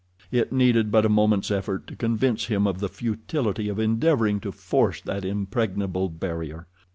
It needed but a moment's effort to convince him of the futility of endeavoring to force that impregnable barrier.